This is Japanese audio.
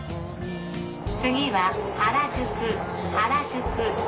次は原宿原宿。